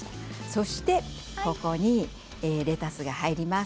そしてここにレタスが入ります。